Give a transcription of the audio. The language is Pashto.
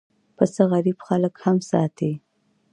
پسه غریب خلک هم ساتي.